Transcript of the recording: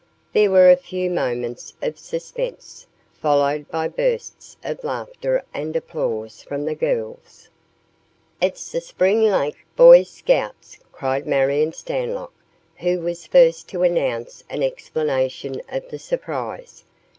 There were a few moments of suspense, followed by bursts of laughter and applause from the girls. "It's the Spring Lake Boy Scouts," cried Marion Stanlock, who was first to announce an explanation of the surprise.